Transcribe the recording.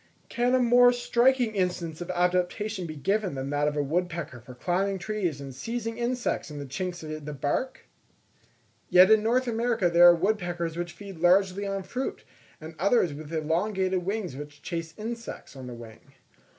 Can a more striking instance of adaptation be given than that of a woodpecker for climbing trees and seizing insects in the chinks of the bark? Yet in North America there are woodpeckers which feed largely on fruit, and others with elongated wings which chase insects on the wing.